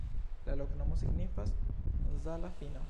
La loknomo signifas: Zala-fino.